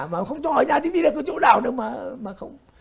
mà không cho ở nhà thì biết là có chỗ nào đâu mà không